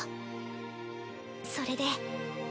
それで。